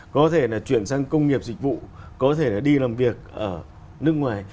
có thể là chuyển sang công nghiệp dịch vụ có thể là đi làm việc ở nước ngoài